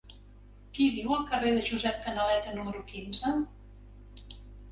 Qui viu al carrer de Josep Canaleta número quinze?